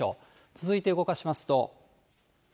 続いて動かしますと。